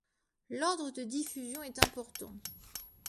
L'ordre de diffusion est important.